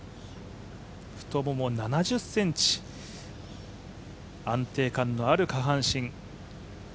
太もも７０ｃｍ安定感のある下半身。